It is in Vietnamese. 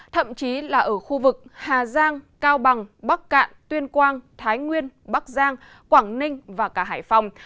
thậm chí là ở khu vực hà giang cao bằng bắc cạn tuyên quang thái nguyên bắc giang quảng ninh và cả hải phòng